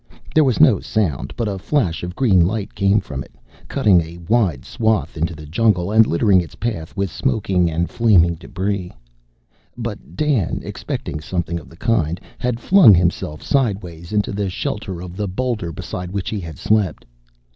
There was no sound, but a flash of green light came from it, cutting a wide swath into the jungle, and littering its path with smoking and flaming debris. But Dan, expecting something of the kind, had flung himself sidewise into the shelter of the boulder beside which he had slept.